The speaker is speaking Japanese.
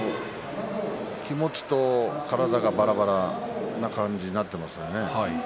気持ちと体がばらばらな感じになっていますね。